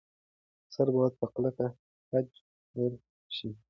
سره باید په کلک خج وېل شي.